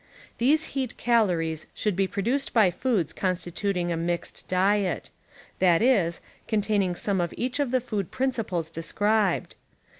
These heat calories should be produced by foods constituting a mixed diet; that is, containing some of each of the food principles described.